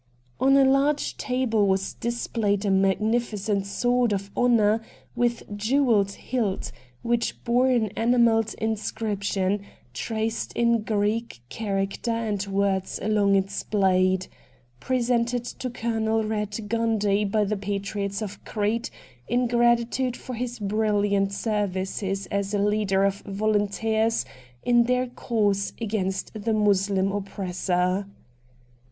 On a large table was displayed a magnilicent sword of honour with jewelled hilt, which bore an enamelled inscription, traced in Greek character and words along its blade, ' Presented to Colonel Eatt Gundy by the patriots of Crete in gratitude for his l^rilliant services as a leader of Volunteers in their cause against the Moslem oppressor.'